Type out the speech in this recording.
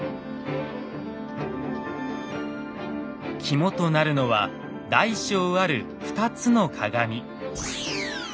肝となるのは大小ある２つの鏡。